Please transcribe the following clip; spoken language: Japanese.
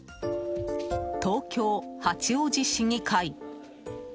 東京・八王子市議会。